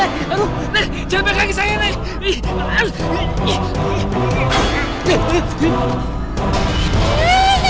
jangan pengekangi saya nek